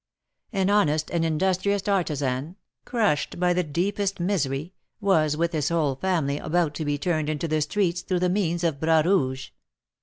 An honest and industrious artisan, crushed by the deepest misery, was, with his whole family, about to be turned into the streets through the means of Bras Rouge.